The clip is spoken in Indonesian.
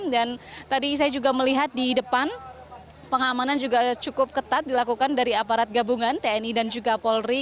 dan tadi saya juga melihat di depan pengamanan juga cukup ketat dilakukan dari aparat gabungan tni dan juga polri